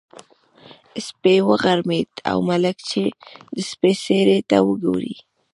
سپی وغړمبېد او ملک چې د سپي څېرې ته وګوري.